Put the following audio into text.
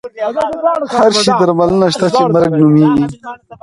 د هر شي درملنه شته چې مرګ نومېږي.